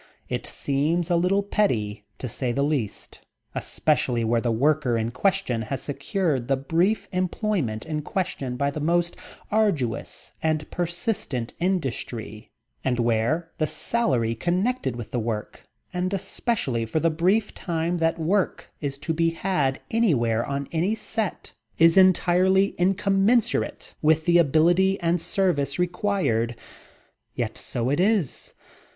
It seems a little petty to say the least, especially where the worker in question has secured the brief employment in question by the most arduous and persistent industry and where the salary connected with the work, and especially for the brief time that work is to be had anywhere on any set, is entirely incommensurate with the ability and service required. Yet so it is.